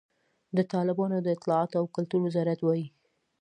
د طالبانو د اطلاعاتو او کلتور وزارت وایي،